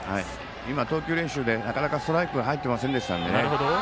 今、投球練習でなかなかストライクが入っていませんでしたのでね。